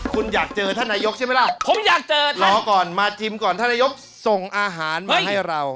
คุณอยากเจอท่านนายกใช่ไหมล่ะผมอยากเจอนะรอก่อนมาชิมก่อนท่านนายกส่งอาหารมาให้เรา